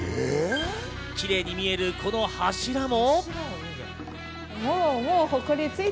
キレイに見えるこの柱も。